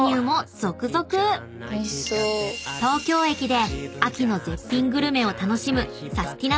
［東京駅で秋の絶品グルメを楽しむサスティな！